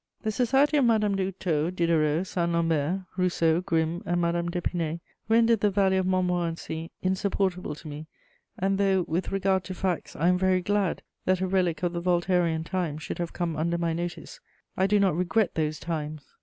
The society of Madame de Houdetot, Diderot, Saint Lambert, Rousseau, Grimm, and Madame d'Épinay rendered the Valley of Montmorency insupportable to me, and though, with regard to facts, I am very glad that a relic of the Voltairean times should have come under my notice, I do not regret those times.